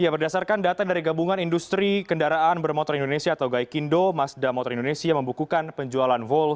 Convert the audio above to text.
berdasarkan data dari gabungan industri kendaraan bermotor indonesia atau gaikindo mazda motor indonesia membukukan penjualan volle